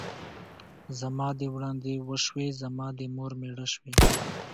ـ زما دې وړاندې وشوې ، زما دې مور مېړه شوې.